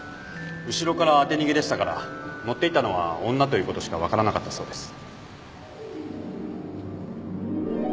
後ろから当て逃げでしたから乗っていたのは女ということしか分からなかったそうです。